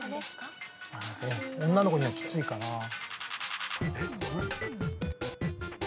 女の子にはきついかな。